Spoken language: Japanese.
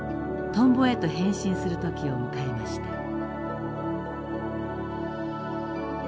トンボへと変身する時を迎えました。